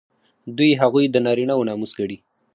دوی هغوی د نارینه وو ناموس ګڼي.